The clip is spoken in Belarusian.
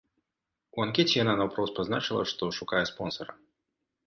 У анкеце яна наўпрост пазначыла, што шукае спонсара.